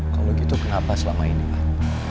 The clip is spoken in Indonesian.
kalau gitu kenapa selama ini pak